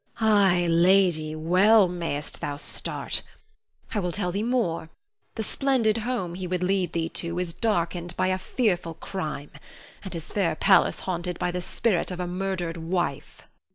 Ay, lady, well mayst thou start. I will tell thee more. The splendid home he would lead thee to is darkened by a fearful crime, and his fair palace haunted by the spirit of a murdered wife.